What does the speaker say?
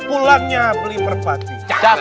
pulangnya beli perpati